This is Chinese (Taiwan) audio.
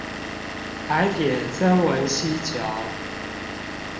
臺鐵曾文溪橋